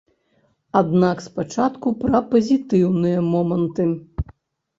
Аднак спачатку пра пазітыўныя моманты.